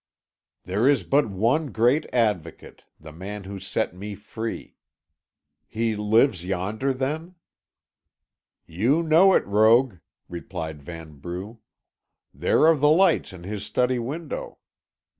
"There is but one great Advocate, the man who set me free. He lives yonder, then?" "You know it, rogue," replied Vanbrugh. "There are the lights in his study window.